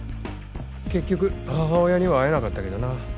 結局母親には会えなかったけどな。